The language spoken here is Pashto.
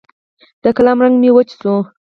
د قلم رنګ مې وچ شوی